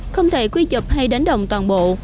không thể quy chập hay đánh đồng toàn bộ